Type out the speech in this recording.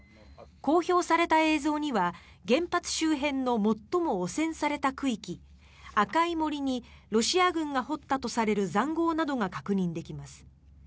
公表された映像には原発周辺の最も汚染された区域赤い森にロシア軍が掘ったとされる塹壕などが確認できます。